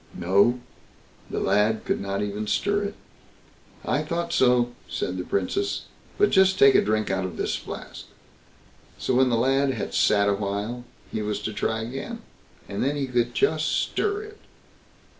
No; the lad could not even stir it. "I thought so", said the Princess; "but just take a drink out of this flask." So when the lad had sat a while, he was to try again; and then he could just stir it.